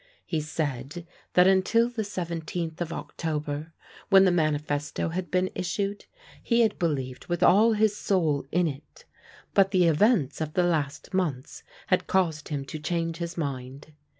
He said that until the 17th of October, when the Manifesto had been issued, he had believed with all his soul in it; but the events of the last months had caused him to change his mind.